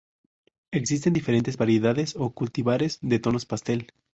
Existen diferentes variedades o cultivares de tonos pastel.